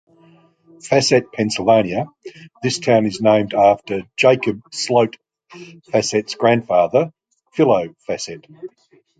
Fassett Pennsylvania - This town is named after Jacob Sloat Fassett's grandfather, Philo Fassett.